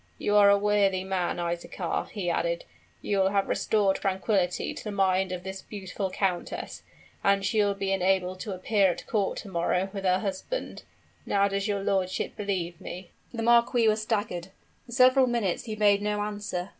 You are a worthy man, Isaachar,' he added; 'you will have restored tranquillity to the mind of this beautiful countess; and she will be enabled to appear at court to morrow with her husband.' Now does your lordship believe me?" The marquis was staggered; for several minutes he made no answer.